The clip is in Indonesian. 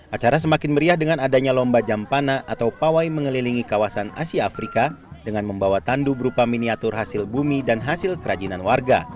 acara semakin meriah dengan adanya lomba jampana atau pawai mengelilingi kawasan asia afrika dengan membawa tandu berupa miniatur hasil bumi dan hasil kerajinan warga